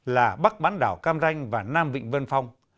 là bắc bán đảo cam ranh và nam vịnh vân phong